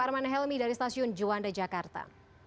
armanda helmi dari stasiun juwanda jakarta